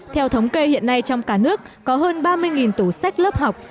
theo thống kê hiện nay trong cả nước có hơn ba mươi tủ sách lớp học